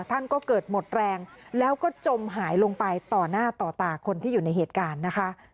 ท่านก็เกิดหมดแรงแล้วก็จมหายลงไปต่อหน้าต่อตาคนที่อยู่ในเหตุการณ์นะคะ